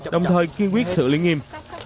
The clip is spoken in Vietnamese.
đồng thời kiên quyết xử lý nghiêm